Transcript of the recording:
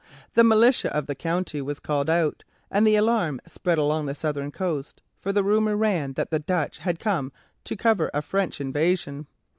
The militia of the county was called out, and the alarm spread along the southern coast, for the rumour ran that the Dutch had come to cover a French invasion.